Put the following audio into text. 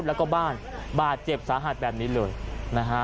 แล้วก็บ้านบาดเจ็บสาหัสแบบนี้เลยนะฮะ